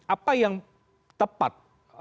apa yang tepat